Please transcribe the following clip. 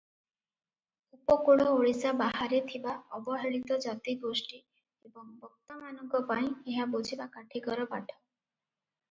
ଉପକୂଳ ଓଡ଼ିଶା ବାହାରେ ଥିବା ଅବହେଳିତ ଜାତିଗୋଷ୍ଠୀ ଏବଂ ବକ୍ତାମାନଙ୍କ ପାଇଁ ଏହା ବୁଝିବା କାଠିକର ପାଠ ।